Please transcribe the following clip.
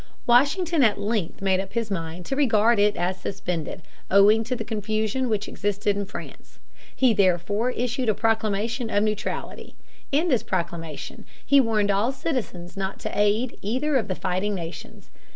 Washington at length made up his mind to regard it as suspended, owing to the confusion which existed in France. He therefore issued a Proclamation of Neutrality. In this proclamation he warned all citizens not to aid either of the fighting nations.